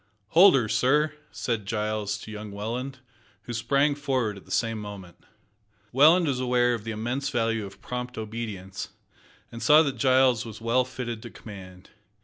"Hold her, sir," said Giles to young Welland, who sprang forward at the same moment. Welland was aware of the immense value of prompt obedience, and saw that Giles was well fitted to command.